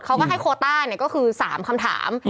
เขาก็ให้โคต้าก็คือ๓คำถาม